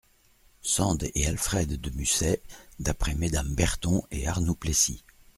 Sand et Alfred de Musset d'après Mesdames Berton et Arnould-Plessy.